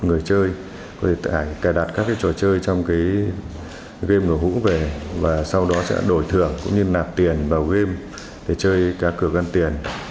người chơi có thể cài đặt các trò chơi trong game nổ hũ về và sau đó sẽ đổi thưởng cũng như nạp tiền vào game để chơi các cửa gắn tiền